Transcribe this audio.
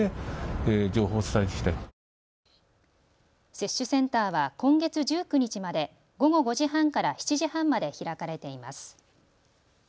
接種センターは今月１９日まで午後５時半から７時半まで開かれています。